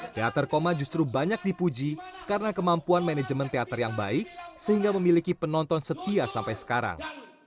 teater koma justru banyak dipuji karena kemampuan manajemen teater yang baik sehingga memiliki penonton setia sampai sekarang